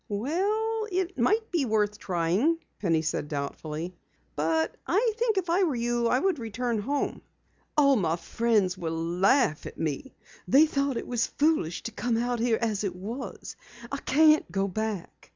"Well, it might be worth trying," Penny said doubtfully. "But I think if I were you I would return home." "All of my friends will laugh at me. They thought it was foolish to come out here as it was. I can't go back.